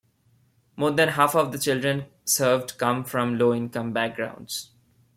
More than half of the children served come from low-income backgrounds.